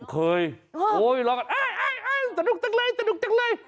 เคยโอ๊ยลองกันเอ๊ยสนุกจังเลย